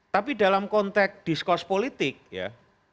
tapi dalam konteks diskus politik ya